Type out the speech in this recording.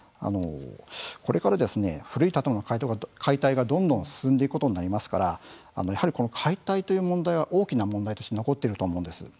これから古い建物の解体がどんどん進んでいくことになりますからやはりこの解体という問題は大きな問題として残っていると思うんです。